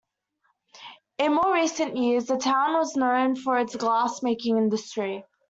In more recent years the town was known for its glass making industry.